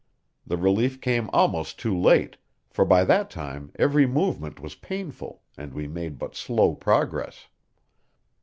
The relief came almost too late, for by that time every movement was painful, and we made but slow progress.